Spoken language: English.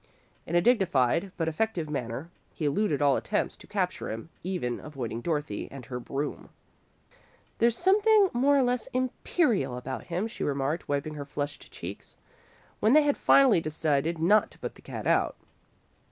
In a dignified but effective manner, he eluded all attempts to capture him, even avoiding Dorothy and her broom. "There's something more or less imperial about him," she remarked, wiping her flushed cheeks, when they had finally decided not to put the cat out.